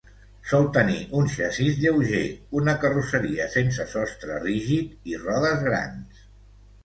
Sol tenir un xassís lleuger, una carrosseria sense sostre rígid i rodes grans.